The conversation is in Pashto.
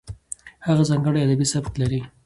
هغه ځانګړی ادبي سبک لري.